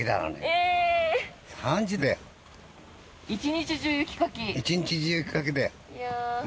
１日中雪かき？